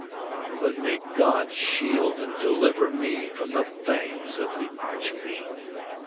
But may God shield and deliver me from the fangs of the Arch Fiend!